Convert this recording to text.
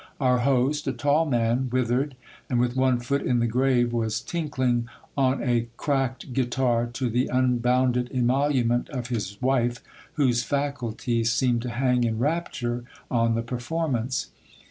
Our host, a tall man, withered, ;ind with one foot in the grave, was tinkling on a cracked guitar to the unbound ed emolument of his wife, whose faculties seemed to hang in rapture on the per formance.